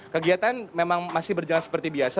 kegiatan memang masih berjalan seperti biasa